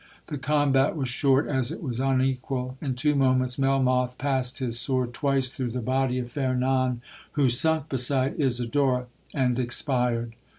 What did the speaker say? The combat was short as it was unequal,—in two moments Melmoth passed his sword twice through the body of Fernan, who sunk beside Isidora, and expired!